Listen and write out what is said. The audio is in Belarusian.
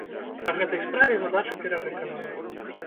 Па гэтай справе задача перавыканана.